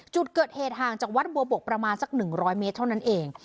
จุดเกิดเหตุห่างจากวัดบัวบกประมาณสัก๑๐๐เมตรเท่านั้นเอง